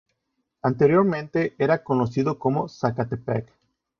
Anteriormente era conocido como Zacatepec.